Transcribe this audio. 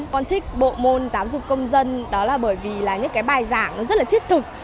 con thích bộ môn giáo dục công dân đó là bởi vì là những cái bài giảng nó rất là thiết thực